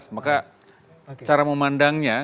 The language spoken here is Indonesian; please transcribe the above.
maka cara memandangnya